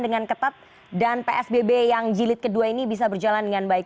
dengan ketat dan psbb yang jilid kedua ini bisa berjalan dengan baik